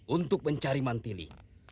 untuk mencari mantili